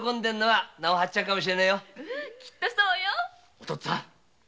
お父っつぁん！